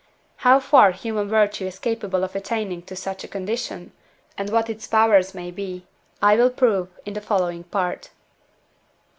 How far human virtue is capable of attaining to such a condition, and what its powers may be, I will prove in the following Part.